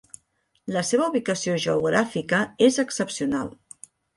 La seva ubicació geogràfica és excepcional.